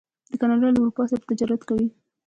کاناډا له اروپا سره تجارت کوي.